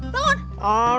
tauan lu tauan